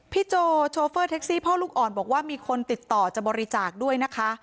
โจโชเฟอร์แท็กซี่พ่อลูกอ่อนบอกว่ามีคนติดต่อจะบริจาคด้วยนะคะ